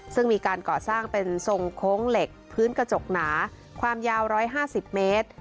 ซึ่งมีการก่อสร้างเป็นทรงโค้งเหล็กพื้นกระจกหนาความยาว๑๕๐เมตร